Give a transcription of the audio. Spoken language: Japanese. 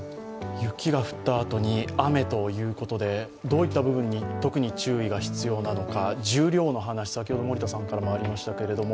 雪が降ったあとに雨ということで、どういった部分に特に注意が必要なのか、重量の話、先ほどもありましたけれども